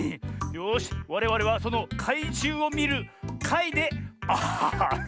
よしわれわれはそのかいじゅうをみるかいである。